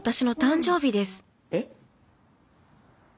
えっ？